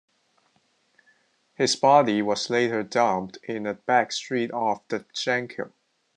His body was later dumped in a back street off the Shankill.